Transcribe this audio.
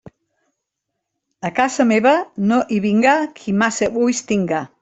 A casa meva no hi vinga qui massa ulls tinga.